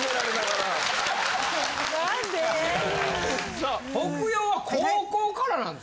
さあ北陽は高校からなんですか？